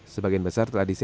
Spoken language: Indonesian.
sebagian besar telah disewa